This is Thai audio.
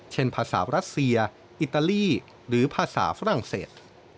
ภาษารัสเซียอิตาลีหรือภาษาฝรั่งเศส